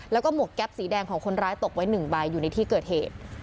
แล้วก็หมวกแก๊ปสีแดงของคนร้ายตกไว้๑ใบอยู่ในที่เกิดเหตุ